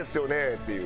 っていう。